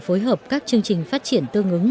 phối hợp các chương trình phát triển tương ứng